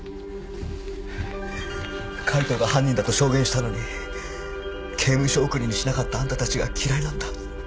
海藤が犯人だと証言したのに刑務所送りにしなかったあんたたちが嫌いなんだ。